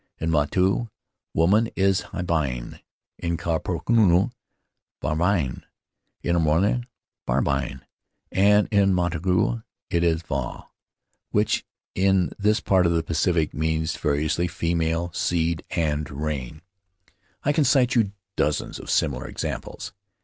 In Motu, woman is habine; in Kerepunu, vavine; in Aroma, habine; and in Motu motu it is ua, which in this part of the Pacific means, variously, female, seed, and rain. I could cite you dozens of similar examples.